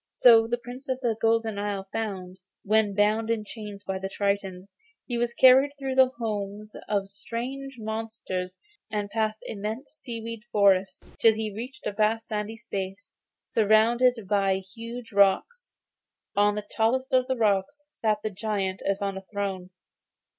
So the Prince of the Golden Isle found, when bound in chains by the tritons, he was carried through the homes of strange monsters and past immense seaweed forests, till he reached a vast sandy space, surrounded by huge rocks. On the tallest of the rocks sat the giant as on a throne.